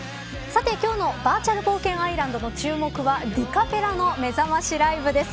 さて今日のバーチャル冒険アイランドの注目はディカペラのめざましライブです。